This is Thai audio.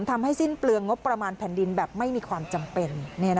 ทำให้สิ้นเปลืองงบประมาณแผ่นดินแบบไม่มีความจำเป็น